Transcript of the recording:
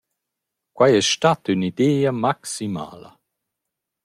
Quai es stat ün’idea maximala.